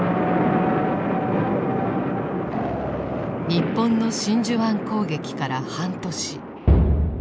日本の真珠湾攻撃から半年。